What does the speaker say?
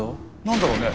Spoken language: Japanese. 何だろうね。